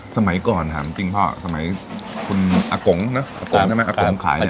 สมัยก่อนถามจริงพ่อสมัยคุณอากงเนอะอากงใช่ไหมอากงขายเนี่ย